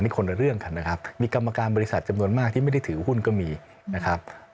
นี่คนละเรื่องกันนะครับมีกรรมการบริษัทจำนวนมากที่ไม่ได้ถือหุ้นก็มีนะครับ